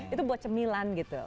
itu buat cemilan gitu